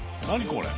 これ。